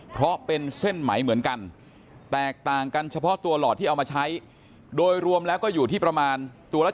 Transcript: เพราะเป็นเส้นไหมเหมือนกันแตกต่างกันเฉพาะตัวหลอดที่เอามาใช้โดยรวมแล้วก็อยู่ที่ประมาณตัวละ